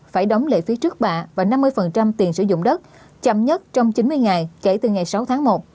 phải đóng lệ phí trước bạ và năm mươi tiền sử dụng đất chậm nhất trong chín mươi ngày kể từ ngày sáu tháng một